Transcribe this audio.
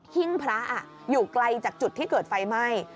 หิ้งพระอยู่ไกลจากจุดที่เกิดไฟไหม้